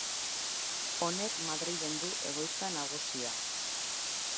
Honek Madrilen du egoitza nagusia.